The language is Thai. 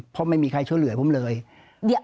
เพราะไม่มีใครช่วยเหลือผมเลย